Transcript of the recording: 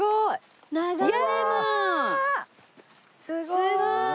すごーい！